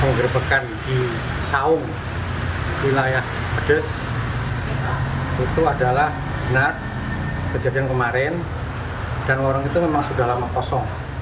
penggerbekan di saung wilayah pedes itu adalah benar kejadian kemarin dan warung itu memang sudah lama kosong